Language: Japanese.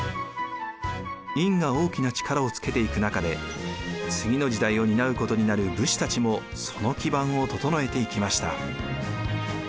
院が大きな力をつけていく中で次の時代を担うことになる武士たちもその基盤を整えていきました。